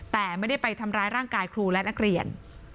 แต่ไม่ได้ไปทำร้ายร่างกายครูและนักเรียน